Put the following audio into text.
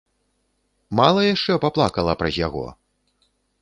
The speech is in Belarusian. Мала яшчэ паплакала праз яго?